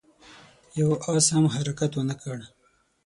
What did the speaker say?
يوه آس هم حرکت ونه کړ.